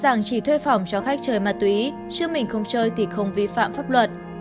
rằng chỉ thuê phòng cho khách chơi ma túy chứ mình không chơi thì không vi phạm pháp luật